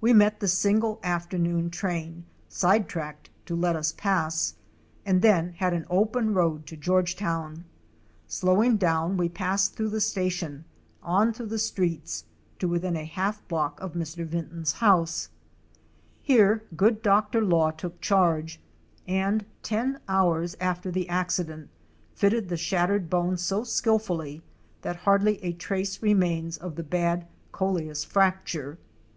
We met the single afternoon train, side tracked to let us pass, and then had an open road to Georgetown. Slowing down, we passed through the station, on through the streets, to within a half block of Mr. Vinton's house. THE LIFE OF THE ABARY SAVANNAS. 387 Here good Dr. Law took charge and, ten hours after the accident, fitted the shattered bone so skilfully that hardly a trace remains of the bad colleus fracture.